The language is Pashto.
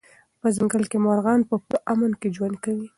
په ځنګل کې مرغان په پوره امن کې ژوند کوي.